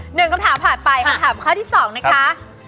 หนึ่งคำถามผ่านไปคำถามข้อที่สองนะคะ